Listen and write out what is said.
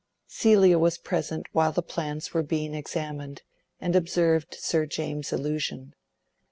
Celia was present while the plans were being examined, and observed Sir James's illusion.